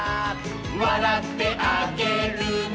「わらってあげるね」